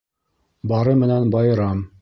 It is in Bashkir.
Бары менән байрам.